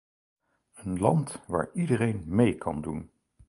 Een land waar iedereen mee kan doen.